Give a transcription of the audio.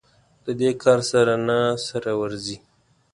د دې کار سر نه سره ورځي.